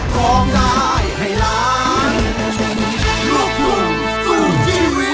คุณสุนันร้อง